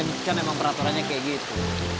ini kan emang peraturannya kayak gitu